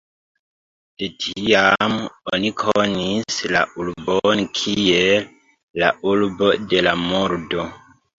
De tiam oni konis la urbon kiel "la urbo de la murdo".